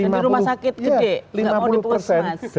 jadi rumah sakit gede